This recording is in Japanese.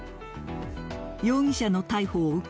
容疑者の逮捕を受け